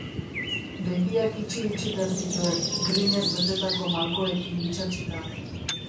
Begiak itxi-itxita zituen, grinaz betetako malkoekin itsatsita.